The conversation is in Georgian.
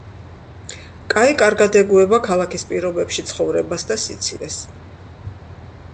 კაი კარგად ეგუება ქალაქის პირობებში ცხოვრებას და სიცივეს.